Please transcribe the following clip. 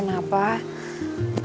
cuma agak pusing sedikit